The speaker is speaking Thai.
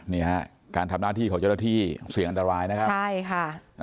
นี่ฮะการทำหน้าที่ของเจ้าหน้าที่เสี่ยงอันตรายนะครับใช่ค่ะ